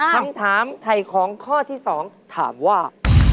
คำถามไถ่ของข้อที่๒ถามว่า